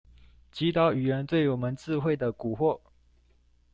擊倒語言對我們智慧的蠱惑